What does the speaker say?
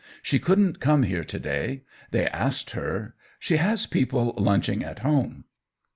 She couldn't come here to day — they asked her ; she has people lunching at home."